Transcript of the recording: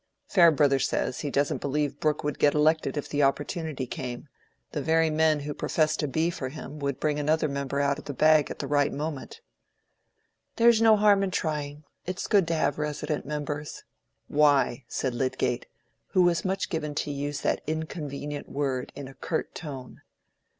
"Farebrother says, he doesn't believe Brooke would get elected if the opportunity came: the very men who profess to be for him would bring another member out of the bag at the right moment." "There's no harm in trying. It's good to have resident members." "Why?" said Lydgate, who was much given to use that inconvenient word in a curt tone.